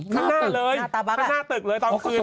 ข้างหน้าเลยข้างหน้าตึกเลยตอนคืน